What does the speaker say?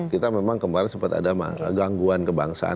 kita memang kemarin sempat ada gangguan kebangsaan